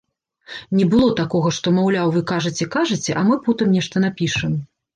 Не было такога, што, маўляў, вы кажаце-кажаце, а мы потым нешта напішам.